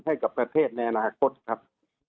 ให้กับประเทศในอนาคตครับ